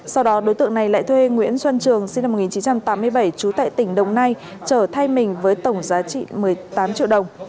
sau đó đối tượng này lại thuê nguyễn xuân trường sinh năm một nghìn chín trăm tám mươi bảy trú tại tỉnh đồng nai chở thay mình với tổng giá trị một mươi tám triệu đồng